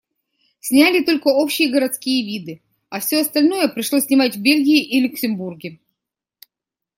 Сняли только общие городские виды, а все остальное пришлось снимать в Бельгии и Люксембурге.